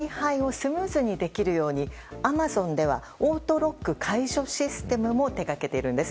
なので、より置き配をスムーズにできるようにアマゾンではオートロック解除システムも手掛けているんです。